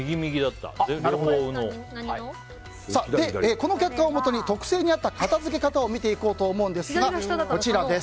この結果をもとに特性に合った片付け方を見ていこうと思うんですが。